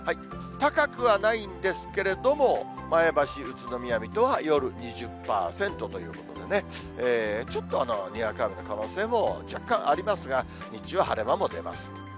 高くはないんですけれども、前橋、宇都宮、水戸は夜２０％ということでね、ちょっとにわか雨の可能性も若干ありますが、日中は晴れ間も出ます。